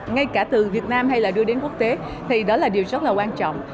ngay cả từ việt nam hay là đưa đến quốc tế thì đó là điều rất là quan trọng